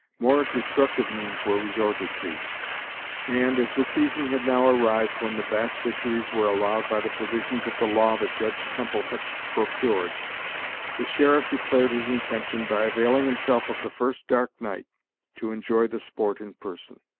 More destructive means were resorted to; and, as the season had now arrived when the bass fisheries were allowed by the provisions of the law that Judge Temple had procured, the sheriff declared his intention, by availing himself of the first dark night, to enjoy the sport in person.